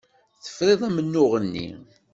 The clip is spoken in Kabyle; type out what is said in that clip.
Tefrid amennuɣ-nni.